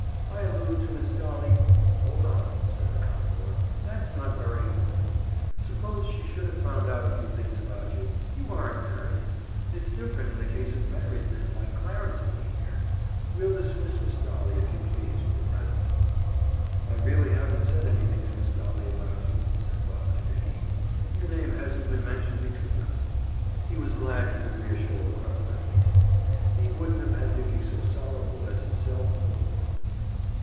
I allude to Miss Dolly—" "Hold on," said the commodore. "That's not very important. Suppose she should have found out a few things about you? You aren't married. It's different in the case of married men, like Clarence and me here. We'll dismiss Miss Dolly, if you please, for the present—" "I really haven't said anything to Miss Dolly about you," said Bob to Dickie. "Your name hasn't been mentioned between us." He was glad he could reassure one of them, at least. He wouldn't have had Dickie so sorrowful as himself for the world.